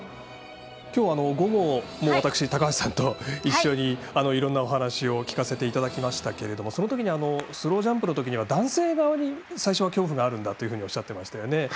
きょう私、午後も高橋さんと一緒にいろんなお話を聞かせていただきましたけれどもそのときにスロージャンプのときには男性側に最初は恐怖があるんだとおっしゃってましたよね。